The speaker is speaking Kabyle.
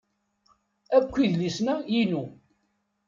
Akk idlisen-a inu.